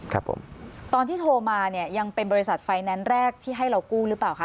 ครับผมตอนที่โทรมาเนี่ยยังเป็นบริษัทไฟแนนซ์แรกที่ให้เรากู้หรือเปล่าคะ